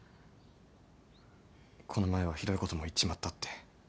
この前はひどいことも言っちまったって。